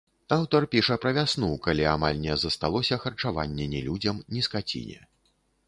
Аўтар піша пра вясну, калі амаль не засталося харчавання ні людзям, ні скаціне.